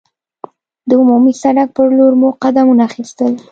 د عمومي سړک پر لور مو قدمونه اخیستل.